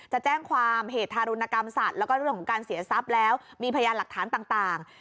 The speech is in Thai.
จะแจ้งความเหตุทารุณกรรมสัตว์แล้วก็เรื่องของการเสียทรัพย์แล้วมีพยานหลักฐานต่าง